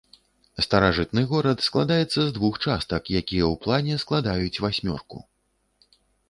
Старажытны горад складаецца з двух частак, якія ў плане складаюць васьмёрку.